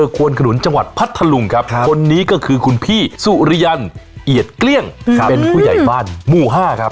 ครับเป็นผู้ใหญ่บ้านมุฒาครับ